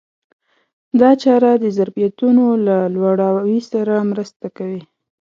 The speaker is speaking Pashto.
دا چاره د ظرفیتونو له لوړاوي سره مرسته کوي.